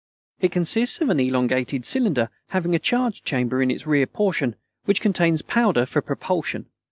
It consists of an elongated cylinder having a charge chamber in its rear portion, which contains powder for propulsion.